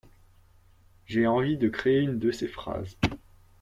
j'ai envie de créer une de ces phrases.